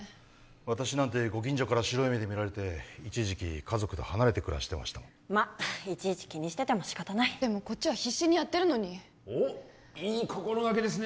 私なんてご近所から白い目で見られて一時期家族と離れて暮らしていましたものまっいちいち気にしてても仕方ないでもこっちは必死にやってるのにおっいい心がけですね